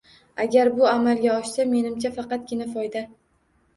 Agar bu amalga oshsa menimcha faqatgina foyda.